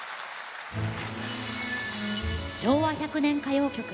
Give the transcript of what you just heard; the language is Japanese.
昭和１００年歌謡曲。